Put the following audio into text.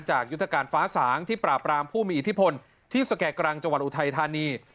ยุทธการฟ้าสางที่ปราบรามผู้มีอิทธิพลที่สแก่กรังจังหวัดอุทัยธานี